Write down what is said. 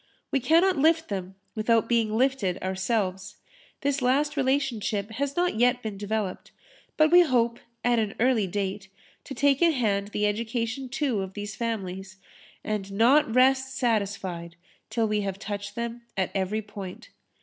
We cannot lift them without being lifted ourselves. This last relationship has not yet been developed, but we hope, at an early date, to take in hand the education too of these families and not rest satisfied till we have touched them at every point.